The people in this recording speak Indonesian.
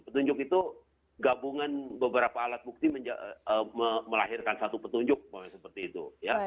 petunjuk itu gabungan beberapa alat bukti melahirkan satu petunjuk seperti itu